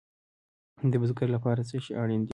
د بزګر لپاره څه شی اړین دی؟